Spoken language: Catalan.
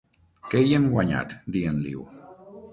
Què hi hem guanyat, dient-li-ho?